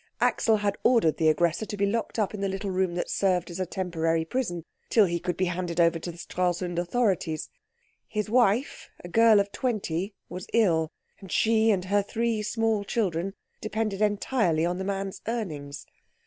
Axel had ordered the aggressor to be locked up in the little room that served as a temporary prison till he could be handed over to the Stralsund authorities. His wife, a girl of twenty, was ill, and she and her three small children depended entirely on the man's earnings.